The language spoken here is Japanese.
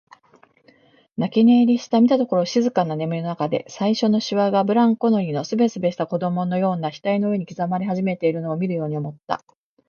泣き寝入りした、見たところ静かな眠りのなかで、最初のしわがブランコ乗りのすべすべした子供のような額の上に刻まれ始めているのを見るように思った。